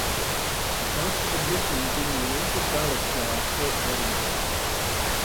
The cost of admission being an empty garlic jar per audience.